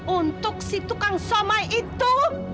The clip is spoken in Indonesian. untuk si tukang somai itu